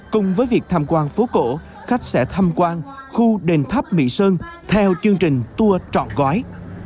cùng với việc tham quan phố cổ khách sẽ tham quan khu đền tháp mỹ sơn theo chương trình tour trọn gói